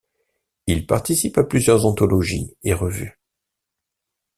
Il participe à plusieurs anthologies et revues.